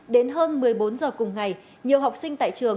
đến hơn một mươi bốn giờ cùng ngày nhiều học sinh tại trường